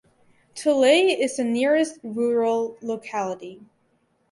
Tulay is the nearest rural locality.